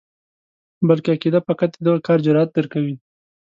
بلکې عقیده فقط د دغه کار جرأت درکوي.